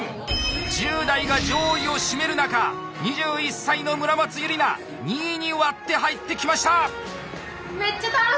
１０代が上位を占める中２１歳の村松憂莉奈２位に割って入ってきました！